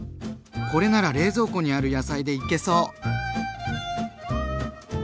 これなら冷蔵庫にある野菜でいけそう！